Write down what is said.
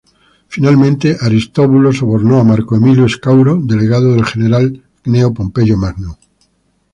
Finalmente, Aristóbulo sobornó a Marco Emilio Escauro, delegado del general Cneo Pompeyo Magno.